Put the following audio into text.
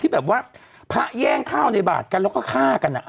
แบบว่าพระแย่งข้าวในบาทกันแล้วก็ฆ่ากัน